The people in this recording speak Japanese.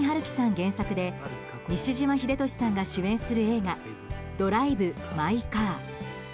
原作で西島秀俊さんが主演する映画「ドライブ・マイ・カー」。